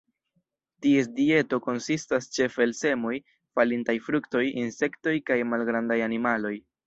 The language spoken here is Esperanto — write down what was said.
Ties dieto konsistas ĉefe el semoj, falintaj fruktoj, insektoj kaj malgrandaj animaloj.